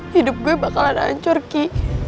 hidup gue bakalan hancur ki